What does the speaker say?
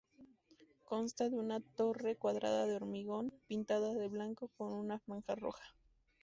Consta de una torre cuadrada de hormigón, pintada de blanco con una franja roja.